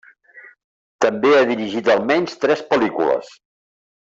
També ha dirigit almenys tres pel·lícules.